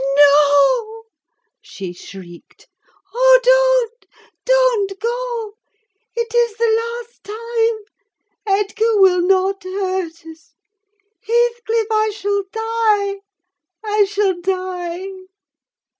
"No!" she shrieked. "Oh, don't, don't go. It is the last time! Edgar will not hurt us. Heathcliff, I shall die! I shall die!"